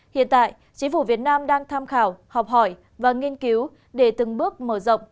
hiện tại chính phủ việt nam đang tham khảo học hỏi và nghiên cứu để từng bước mở rộng